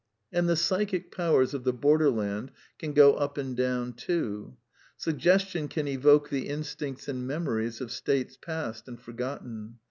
' And the psychic powers of the borderland can go up and down too. Suggestion can evoke the instincts and memo ries of states past and forgotten.